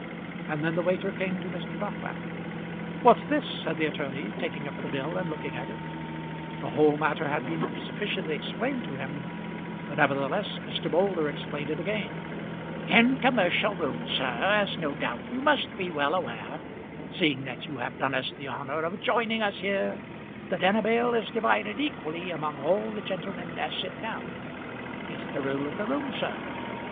And then the waiter came to Mr. Dockwrath. "What's this?" said the attorney, taking up the bill and looking at it. The whole matter had been sufficiently explained to him, but nevertheless Mr. Moulder explained it again. "In commercial rooms, sir, as no doubt you must be well aware, seeing that you have done us the honour of joining us here, the dinner bill is divided equally among all the gentlemen as sit down. It's the rule of the room, sir.